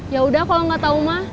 yaudah kalau gak tau mah